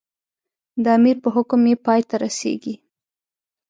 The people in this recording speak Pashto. د امیر په حکم یې پای ته رسېږي.